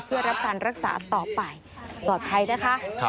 เพื่อรับการรักษาต่อไปปลอดภัยนะคะ